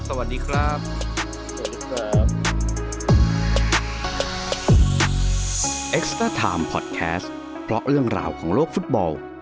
สวัสดีครับ